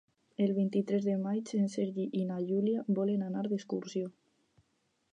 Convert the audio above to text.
El vint-i-tres de maig en Sergi i na Júlia volen anar d'excursió.